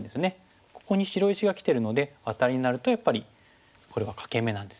ここに白石がきてるのでアタリになるとやっぱりこれは欠け眼なんですよね。